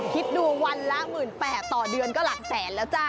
คิดดูวันละ๑๘๐๐ต่อเดือนก็หลักแสนแล้วจ้ะ